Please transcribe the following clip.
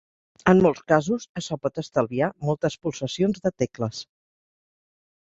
En molts casos, açò pot estalviar moltes pulsacions de tecles.